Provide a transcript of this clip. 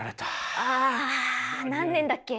ああ何年だっけ？